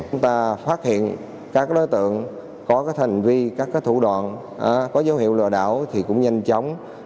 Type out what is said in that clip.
chúng ta phát hiện các đối tượng có hành vi các thủ đoạn có dấu hiệu lừa đảo thì cũng nhanh chóng